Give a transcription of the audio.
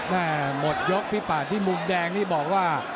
หมดยกพี่ป่าที่มุมแดงนี่บอกว่า